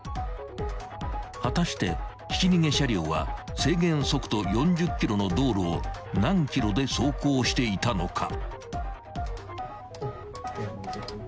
［果たしてひき逃げ車両は制限速度４０キロの道路を何キロで走行していたのか］